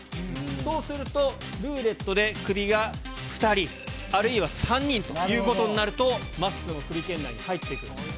そうすると、ルーレットでクビが２人、あるいは３人ということになると、まっすーもクビ圏内に入ってきます。